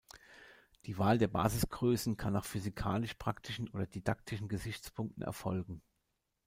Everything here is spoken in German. Die Wahl der Basisgrößen kann nach physikalisch-praktischen oder didaktischen Gesichtspunkten erfolgen.